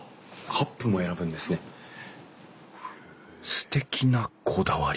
すてきなこだわり。